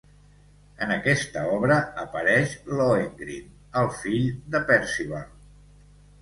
En aquesta obra apareix Lohengrin, el fill de Perceval.